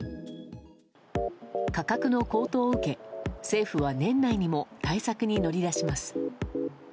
価格の高騰を受け、政府は年内にも対策に乗り出します。